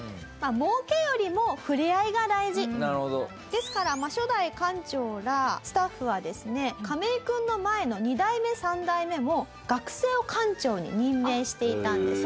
ですから初代館長らスタッフはですねカメイ君の前の２代目３代目も学生を館長に任命していたんですね。